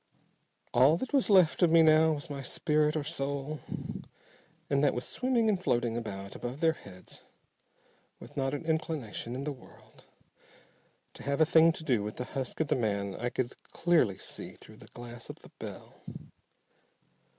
All that was left of me now was my spirit, or soul. And that was swimming and floating about above their heads with not an inclination in the world to have a thing to do with the husk of the man I could clearly see through the glass of the bell.